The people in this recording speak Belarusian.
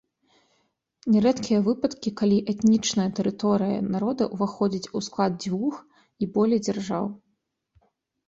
Нярэдкія выпадкі, калі этнічная тэрыторыя народа ўваходзіць у склад дзвюх і болей дзяржаў.